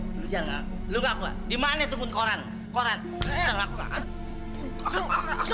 di sini ga ada lagi orang cuma kita berdua cuma kita berdua